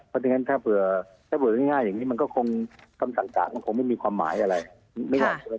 เพราะฉะนั้นถ้าเผื่อง่ายอย่างนี้มันก็คงคำสั่งสารของผมไม่มีความหมายอะไร